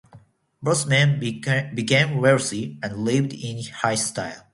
Both men became wealthy and lived in high style.